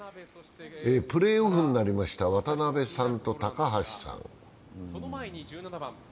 プレーオフになりました、渡邉さんと高橋さん。